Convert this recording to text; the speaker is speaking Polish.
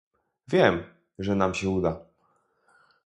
Wiem, że nam się uda